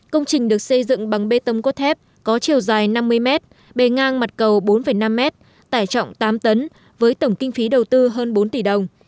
công trình được xây dựng bằng bê tông cốt thép có chiều dài năm mươi mét bề ngang mặt cầu bốn năm m tải trọng tám tấn với tổng kinh phí đầu tư hơn bốn tỷ đồng